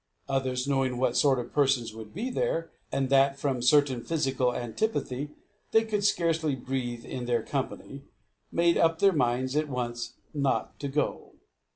Others, knowing what sort of persons would be there, and that, from a certain physical antipathy, they could scarcely breathe in their company, made up their minds at once not to go.